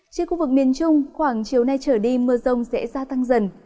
trên khu vực miền trung khoảng chiều nay trở đi mưa rông sẽ gia tăng dần